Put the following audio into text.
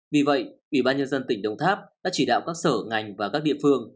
vì vậy ủy ban nhân dân tỉnh đồng tháp đã chỉ đạo các sở ngành và các địa phương